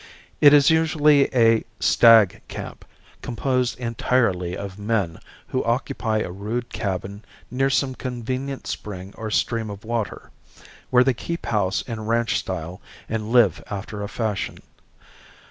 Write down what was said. It is usually a "stag camp" composed entirely of men who occupy a rude cabin near some convenient spring or stream of water, where they keep house in ranch style and live after a fashion.